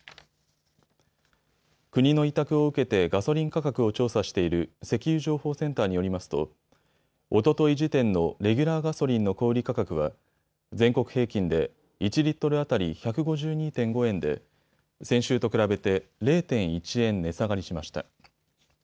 国の委託を受けてガソリン価格を調査している石油情報センターによりますとおととい時点のレギュラーガソリンの小売価格は全国平均で１リットル当たり１５２．５円で先週と比べて０．１円値下がりしました。